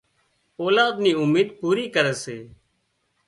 اولاد نِي اميد پوري ڪري سي